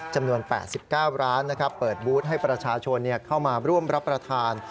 จำนวน๘๙ร้านเปิดบูธให้ประชาชนเข้ามาร่วมรับประทาน